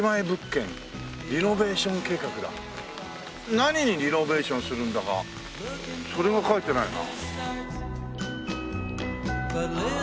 何にリノベーションするんだかそれが書いてないな。